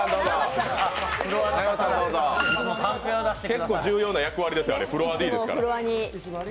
結構重要な役割ですよ、フロアＡＤですから。